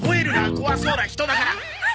怖そうな人だから。